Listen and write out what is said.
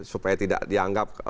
supaya tidak dianggap